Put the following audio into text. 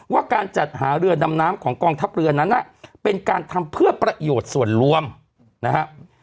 ว่าการจัดหาเรือดำน้ำของกองทัพเรือนั้นเป็นการทำเพื่อประโยชน์ส่วนรวมนะฮะ